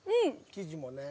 生地もね。